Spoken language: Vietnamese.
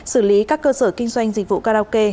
xử lý các cơ sở kinh doanh dịch vụ karaoke